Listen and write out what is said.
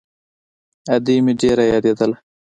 ادې مې ډېره يادېدله.